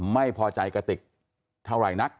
ไม่พอใจกระติกเท่าไหร่นัก